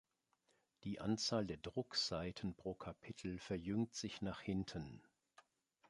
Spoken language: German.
Die Anzahl der Druckseiten pro Kapitel verjüngt sich nach hinten.